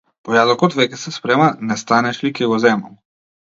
Појадокот веќе се спрема, не станеш ли, ќе го земам!